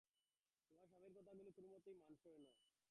আমার স্বামীর কথাগুলোতে কোনোমতেই আমার মন সায় দিচ্ছিল না।